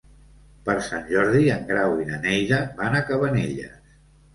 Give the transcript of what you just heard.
Per Sant Jordi en Grau i na Neida van a Cabanelles.